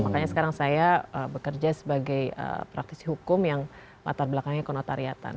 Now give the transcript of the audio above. makanya sekarang saya bekerja sebagai praktisi hukum yang latar belakangnya kenotariatan